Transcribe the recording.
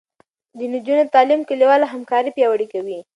د نجونو تعلیم کلیواله همکاري پیاوړې کوي.